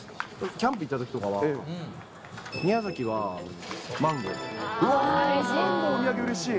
キャンプ行ったときとかは宮マンゴー、お土産うれしい。